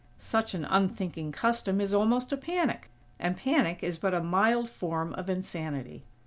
Such an unthinking custom is almost a panic, and panic is but a mild form of insanity.